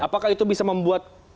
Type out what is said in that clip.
apakah itu bisa membuat